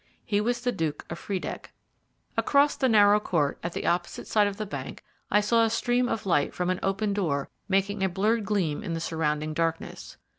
He was the Duke of Friedeck. Across the narrow court, at the opposite side from the bank, I saw a stream of light from an open door making a blurred gleam in the surrounding darkness.